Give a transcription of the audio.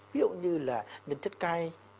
ví dụ như là những chất cay